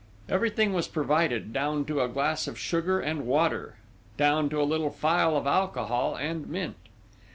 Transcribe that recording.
Everything was provided, down to a glass of sugar and water, down to a little phial of alcohol and mint!